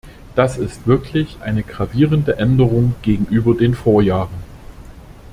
Das ist wirklich eine gravierende Änderung gegenüber den Vorjahren.